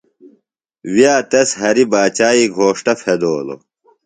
ویہ تس ہریۡ باچائی گھوݜٹہ پھیدولوۡ۔